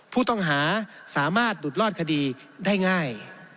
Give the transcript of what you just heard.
ผู้ต้องหาสามารถหลุดรอดคดีได้ง่าย